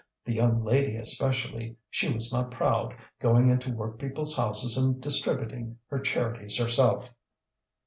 The young lady especially; she was not proud, going into workpeople's houses and distributing her charities herself.